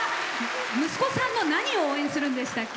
息子さんの何を応援するんでしたっけ。